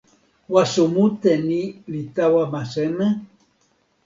waso mute ni li tawa ma seme?